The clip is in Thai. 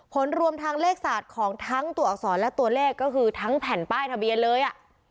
รวมทางเลขศาสตร์ของทั้งตัวอักษรและตัวเลขก็คือทั้งแผ่นป้ายทะเบียนเลย